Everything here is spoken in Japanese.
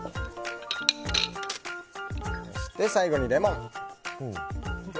そして最後にレモン。